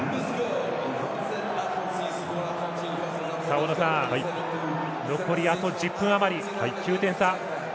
大野さん、残りあと１０分余り９点差。